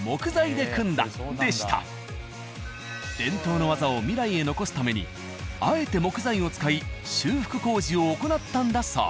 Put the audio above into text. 伝統の技を未来へ残すためにあえて木材を使い修復工事を行ったんだそう。